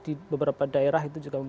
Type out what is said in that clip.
di beberapa daerah itu juga